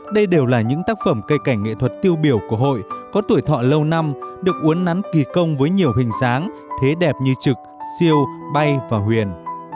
đây đều là những tác phẩm cây cảnh nghệ thuật tiêu biểu của hội có tuổi thọ lâu năm được uốn nắn kỳ công với nhiều hình dáng thế đẹp như trực siêu bay và huyền